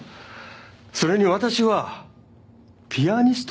それに私はピアニストです。